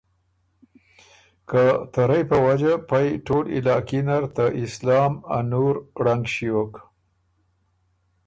ته که رئ په وجه پئ ټول علاقي نر ته اسلام ا نام او ا نُور ړنګ ݭیوک۔